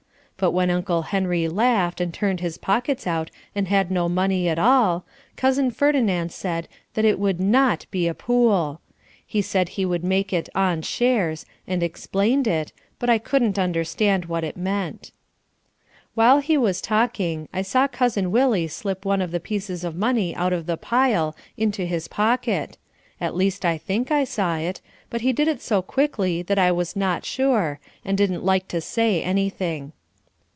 But when Uncle Henry laughed, and turned his pockets out and had no money at all, Cousin Ferdinand said that it would NOT be a pool. He said he would make it "on shares" and explained it, but I couldn't understand what it meant. While he was talking I saw Cousin Willie slip one of the pieces of money out of the pile into his pocket: at least I think I saw it; but he did it so quickly that I was not sure, and didn't like to say anything.